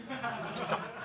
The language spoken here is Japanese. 切った。